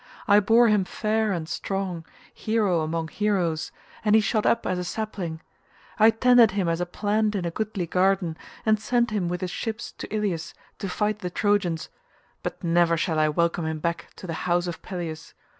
I bore him fair and strong, hero among heroes, and he shot up as a sapling; I tended him as a plant in a goodly garden, and sent him with his ships to Ilius to fight the Trojans, but never shall I welcome him back to the house of Peleus.